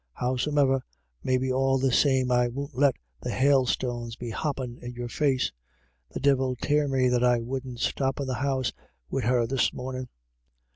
Howsome'er, maybe all the same I won't let the hailstones be hoppin' in your face. — The divil tear me that I wouldn't stop in the house wid her this mornin'.